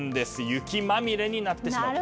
雪まみれになってしまう。